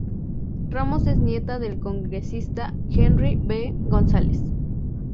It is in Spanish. Ramos es nieta del Congresista Henry B. Gonzalez.